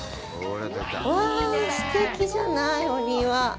わあ、すてきじゃない、お庭。